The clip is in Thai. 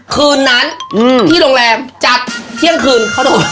คืนนั้นที่โรงแรมจัดเที่ยงคืนเขาโทร